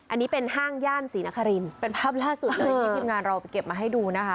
อันนี้เป็นห้างย่านศรีนครินเป็นภาพล่าสุดเลยที่ทีมงานเราไปเก็บมาให้ดูนะคะ